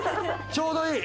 ちょうどいい！